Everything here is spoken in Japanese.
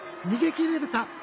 逃げきれるか。